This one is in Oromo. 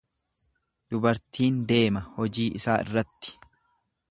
Dubartiin deema hojii isaa irratti.